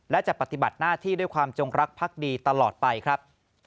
และจะปฏิบัติหน้าที่ด้วยความจงรักพักดีตลอดไปครับ